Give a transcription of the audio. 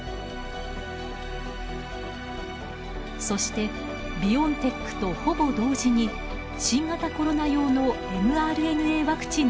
そしてビオンテックとほぼ同時に新型コロナ用のｍＲＮＡワクチンの開発に成功。